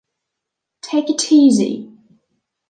Take it easy.